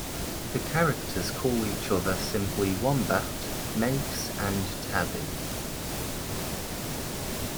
The characters call each other simply Wombat, Mouse and Tabby.